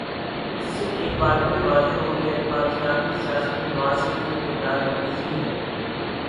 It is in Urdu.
اس سے ایک بارپھر واضح ہو گیا کہ پاکستان کی سیاست میں نوازشریف کا کردار مرکزی ہے۔